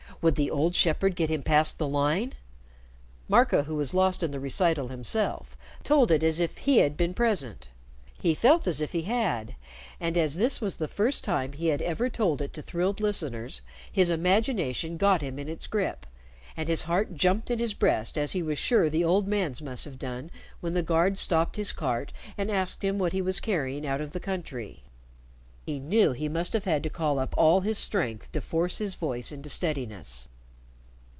Would the old shepherd get him past the line! Marco, who was lost in the recital himself, told it as if he had been present. He felt as if he had, and as this was the first time he had ever told it to thrilled listeners, his imagination got him in its grip, and his heart jumped in his breast as he was sure the old man's must have done when the guard stopped his cart and asked him what he was carrying out of the country. He knew he must have had to call up all his strength to force his voice into steadiness.